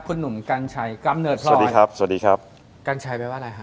คุณหนุ่มกัญญ์ใชกรำเนิดพลอย